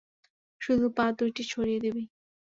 শুধু পা দুইটা ছড়িয়ে দিবি।